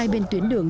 hai bên tuyến đường